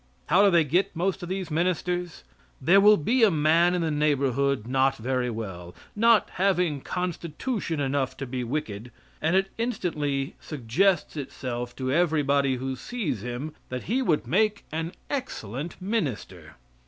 How do they get most of these ministers? There will be a man in the neighborhood not very well not having constitution enough to be wicked, and it instantly suggests itself to everybody who sees him that he would make an excellent minister.